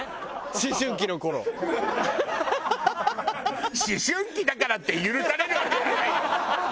思春期だからって許されるわけじゃないよ。